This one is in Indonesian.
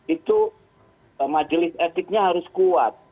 itu majelis etiknya harus kuat